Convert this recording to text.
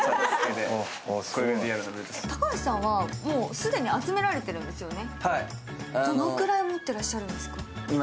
高橋さんは、もう既に集められてるんですよね。